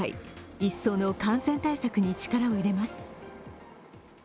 一層の感染対策に力を入れます。